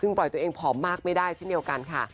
ปล่อยตัวเองผอมมากไม่ได้เช่นเดียวกันค่ะ